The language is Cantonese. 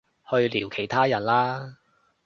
去聊其他人啦